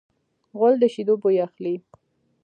غول د شیدو بوی اخلي.